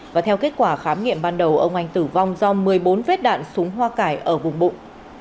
và theo kết quả khám nghiệm ban đầu ông anh tử vong do một mươi bốn vết đạn súng hoa cải ở vùng bụng